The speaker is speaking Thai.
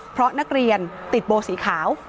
เพราะนักเรียนน่าเป็นบูธสีขาว